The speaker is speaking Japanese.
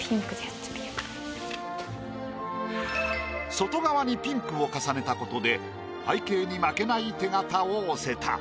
外側にピンクを重ねたことで背景に負けない手形を押せた。